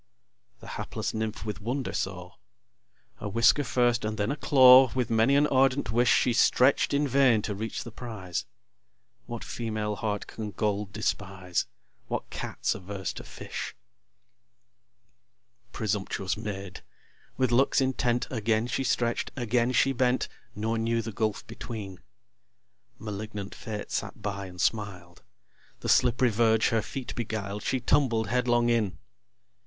The hapless Nymph with wonder saw: A whisker first and then a claw, With many an ardent wish, She stretch'd in vain to reach the prize. What female heart can gold despise? What Cat's averse to fish? Presumptuous Maid! with looks intent Again she stretch'd, again she bent, Nor knew the gulf between. (Malignant Fate sat by, and smiled.) The slipp'ry verge her feet beguiled, She tumbled headlong in.